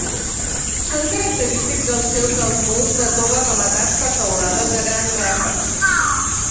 Són característics els seus alts murs de tova rematats per teulades de grans ràfecs.